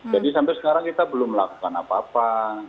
jadi sampai sekarang kita belum melakukan apa apa